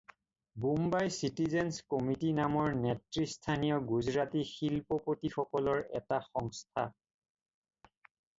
Bombay citizens committee নামৰ নেতৃস্থানীয় গুজৰাটী শিল্পপতিসকলৰ এটা সংস্থা।